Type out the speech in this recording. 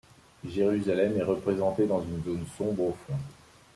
Jérusalem est représenté dans une zone sombre au fond.